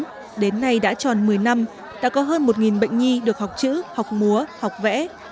lớp học đặc biệt này được khởi nguồn từ năm hai nghìn chín đến nay đã tròn một mươi năm đã có hơn một bệnh nhi được học chữ học múa học vẽ